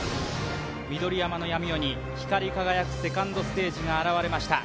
緑山の闇夜に光り輝くセカンドステージが現れました